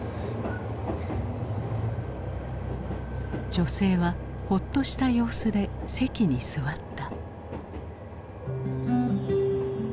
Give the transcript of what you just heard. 女性はホッとした様子で席に座った。